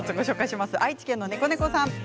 愛知県の方からです。